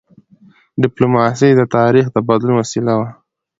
ډيپلوماسي د تاریخ د بدلون وسیله وه.